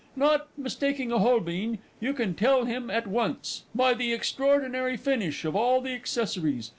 No mistaking a Holbein you can tell him at once by the extraordinary finish of all the accessories.